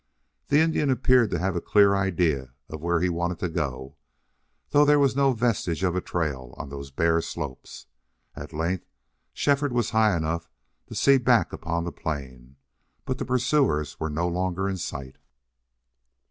The Indian appeared to have a clear idea of where he wanted to go, though there was no vestige of a trail on those bare slopes. At length Shefford was high enough to see back upon the plain, but the pursuers were no longer in sight.